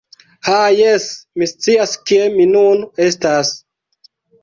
Ha, jes! Mi scias kie mi nun estas.